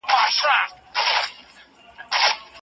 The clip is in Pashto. سایبر امنیتي ټیمونه د ګواښونو تحلیل کوي.